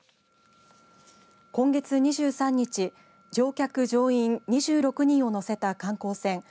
今月２３日乗客・乗員２６人を乗せた観光船